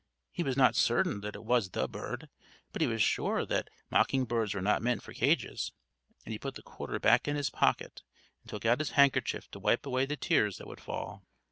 He was not certain that it was the bird, but he was sure that mocking birds were not meant for cages; and he put the quarter back in his pocket and took out his handkerchief to wipe away the tears that would fall.